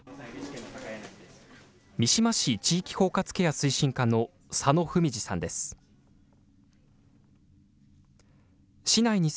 三島市地域包括ケア推進課の佐野文示さんです。